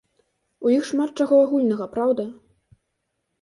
У іх шмат чаго агульнага, праўда.